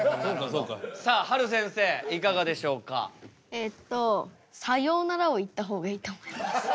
えっと「さようなら」を言った方がいいと思います。